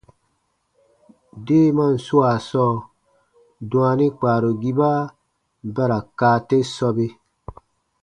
Deemaan swaa sɔɔ, dwaani kpaarugiba ba ra kaa te sɔbe.